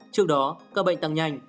trước đó các bệnh tăng nhanh